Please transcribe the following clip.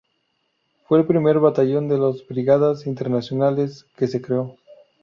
Fue el primer batallón de las Brigadas Internacionales que se creó.